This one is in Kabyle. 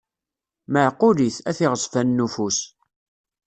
Meɛqulit, at iɣezfanen n ufus.